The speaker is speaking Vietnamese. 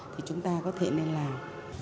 thì chúng ta có thể nên làm